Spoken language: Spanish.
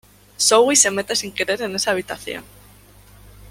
Zoey se mete sin querer en esa habitación.